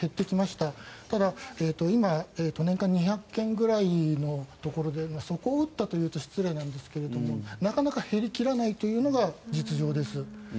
ただ、今年間２００件くらいのところで底を打ったというと失礼なんですがなかなか減り切らないというのが実情です。